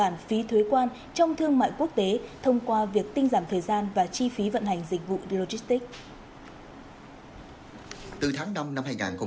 bảo cản phí thuế quan trong thương mại quốc tế thông qua việc tinh giảm thời gian và chi phí vận hành dịch vụ logistics